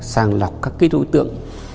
sang lọc các ký thủ tượng